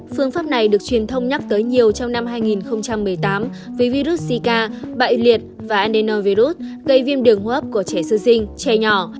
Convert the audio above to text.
phương pháp này được truyền thông nhắc tới nhiều trong năm hai nghìn một mươi tám vì virus zika bại liệt và eninovirus gây viêm đường hô hấp của trẻ sơ sinh trẻ nhỏ